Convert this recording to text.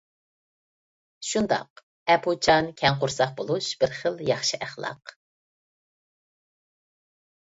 شۇنداق ئەپۇچان، كەڭ قورساق بولۇش بىر خىل ياخشى ئەخلاق.